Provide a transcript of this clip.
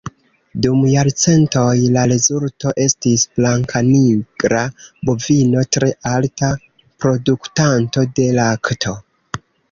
Dum jarcentoj, la rezulto estis blankanigra bovino tre alta produktanto de lakto.